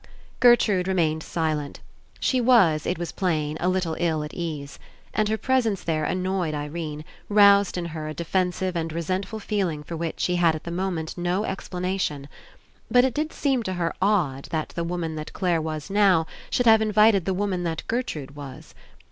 Gertrude remained silent. She was. It was plain, a little 111 at ease. And her presence there annoyed Irene, roused in her a defensive and resentful feeling for which she had at the moment no explanation. But It did seem to her odd that the woman that Clare was now should have Invited the woman that Ger trude was.